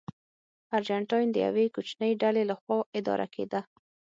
ارجنټاین د یوې کوچنۍ ډلې لخوا اداره کېده.